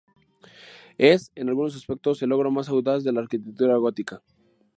Es, en algunos aspectos, el logro más audaz de la arquitectura gótica.